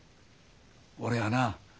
俺はな